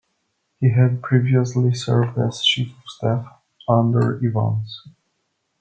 He had previously served as chief of staff under Evans.